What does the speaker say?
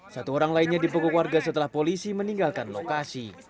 satu orang lainnya dipukul warga setelah polisi meninggalkan lokasi